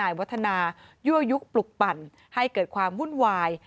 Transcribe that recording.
วัฒนายั่วยุคปลุกปั่นให้เกิดความวุ่นวาย